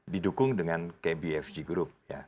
didukung dengan kbfg group